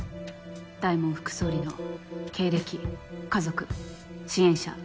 大門副総理の経歴家族支援者